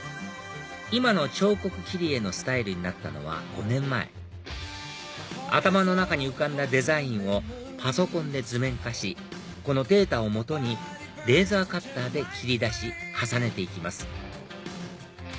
今の彫刻切り絵のスタイルになったのは５年前頭の中に浮かんだデザインをパソコンで図面化しこのデータを基にレーザーカッターで切り出し重ねて行きます